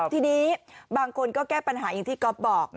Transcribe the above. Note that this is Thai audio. ทีนี้บางคนก็แก้ปัญหาอย่างที่ก๊อฟบอก